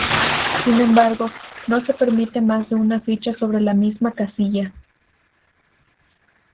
Sin embargo no se permite más de una ficha sobre la misma casilla.